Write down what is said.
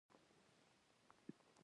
جرګه ده چې ډم یې ملا کړ.